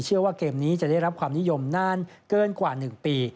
เชื่อว่าเกมนี้จะได้รับความนิยมนานเกินกว่า๑ปี